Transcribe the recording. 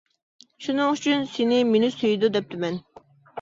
شۇنىڭ ئۈچۈن: سېنى مېنى سۆيىدۇ دەپتىمەن.